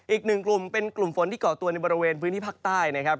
อีกหนึ่งกลุ่มเป็นกลุ่มฝนที่เกาะตัวในบริเวณพื้นที่ภาคใต้นะครับ